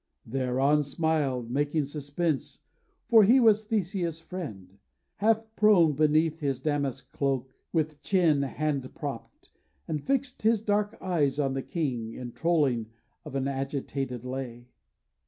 Theron smiled, Masking suspense (for he was Theseus' friend), Half prone beneath his damask cloak, with chin Hand propped; and fixed his dark eyes on the king, In trolling of an agitated lay.